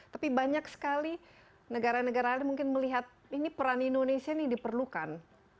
tapi banyak sekali negara negara lain mungkin melihat ini peran indonesia ini diperlukan